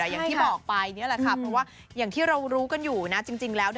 อย่างที่บอกไปนี่แหละค่ะเพราะว่าอย่างที่เรารู้กันอยู่นะจริงแล้ว